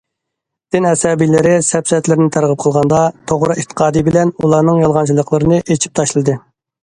دىن ئەسەبىيلىرى سەپسەتىلەرنى تەرغىب قىلغاندا، توغرا ئېتىقادى بىلەن ئۇلارنىڭ يالغانچىلىقلىرىنى ئېچىپ تاشلىدى.